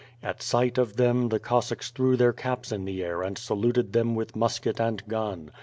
At sight of them, the Cossacks threw their caps in the air and saluted them with musket and gun.